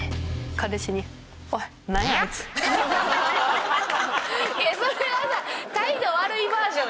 彼氏にいやそれはさ態度悪いバージョンやろ。